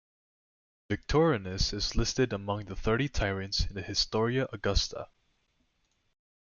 Victorinus is listed among the Thirty Tyrants in the "Historia Augusta".